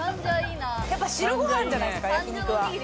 やっぱ白ご飯じゃないですか焼き肉は。